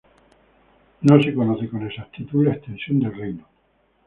No se conoce con exactitud la extensión del reino.